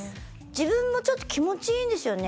自分もちょっと気持ちいいんですよね